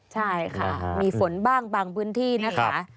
ใช่ค่ะมีฝนบ้างบางพื้นที่นะคะ